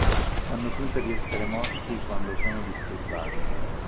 Fanno finta di essere morti quando sono disturbati.